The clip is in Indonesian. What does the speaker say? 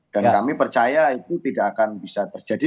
dan kami percaya itu tidak akan bisa terjadi